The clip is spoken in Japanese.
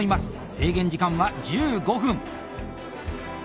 制限時間は１５分。